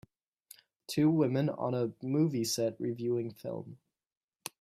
Two women on a movie set reviewing film